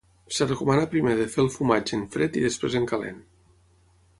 Es recomana primer de fer el fumatge en fred i després en calent.